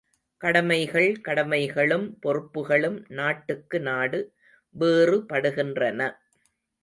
கடமைகள் கடமைகளும் பொறுப்புகளும் நாட்டுக்கு நாடு வேறு படுகின்றன.